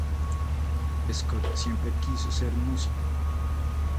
Scott siempre quiso ser músico.